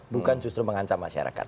bukan justru mengancam masyarakat